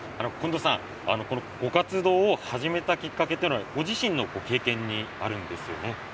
近藤さん、このご活動を始めたきっかけというのは、ご自身の経験にあるんですよね。